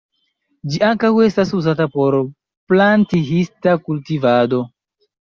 Ĝi ankaŭ estas uzata por planthista kultivado.